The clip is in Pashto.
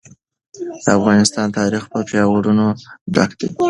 د افغانستان تاریخ په ویاړونو ډک دی.